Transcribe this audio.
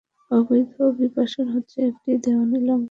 অবৈধ অভিবাসন হচ্ছে একটি দেওয়ানি লঙ্ঘন, এটি কোনো অপরাধমূলক কাজ নয়।